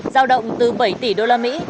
giao động từ bảy tỷ đô la mỹ